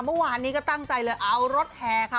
เมื่อวานนี้ก็ตั้งใจเลยเอารถแห่ค่ะ